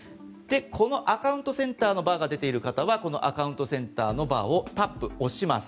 このアカウントセンターのバーが出ている方はこのアカウントセンターのバーをタップ、押します。